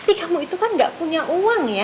eh kamu itu kan gak punya uang ya